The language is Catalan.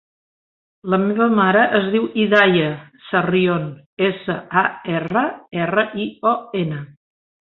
La meva mare es diu Hidaya Sarrion: essa, a, erra, erra, i, o, ena.